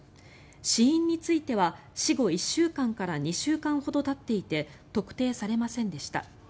死因については死後１週間から２週間ほどたっていて特定されませんでした。